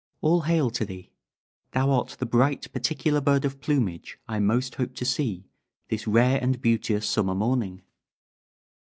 "All hail to thee. Thou art the bright particular bird of plumage I most hoped to see this rare and beauteous summer morning.